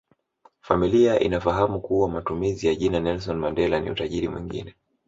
Familia inafahamu kuwa matumizi ya jina Nelson Mandela ni utajiri mwingine